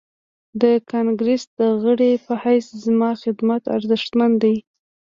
د کانګريس د غړي په حيث زما خدمت ارزښتمن دی.